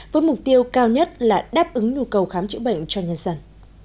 với mục tiêu cao nhất là đáp ứng nhu cầu khám chữa bệnh cho nhân dân